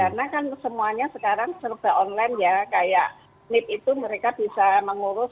karena kan semuanya sekarang serba online ya kayak nip itu mereka bisa mengurus